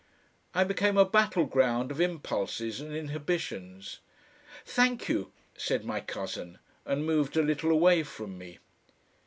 I became a battleground of impulses and inhibitions. "Thank you," said my cousin, and moved a little away from me.